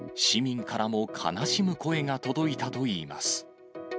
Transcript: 市民からも悲しむ声が届いたといいます。